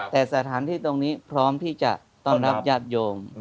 แต่สถานที่ตรงนี้พร้อมที่จะต้อนรับญาติโยม